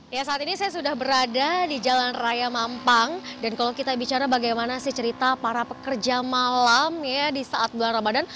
ya saat ini saya sudah berada di jalan raya mampang dan kalau kita bicara bagaimana sih cerita para pekerja malam ya di saat bulan ramadan